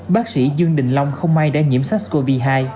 bác sĩ dương đình long không may đã nhiễm sars cov hai